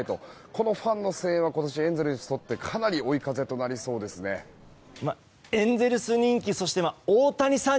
このファンの声援は今年のエンゼルスにとってかなりのエンゼルス人気そして大谷さん